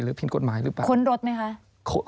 ผิดกฎหมายหรือเปล่าค้นรถไหมคะ